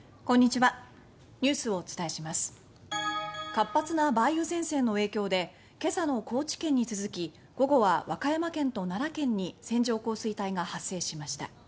活発な梅雨前線の影響でけさの高知県に続き午後は和歌山県と奈良県に線状降水帯が発生しました。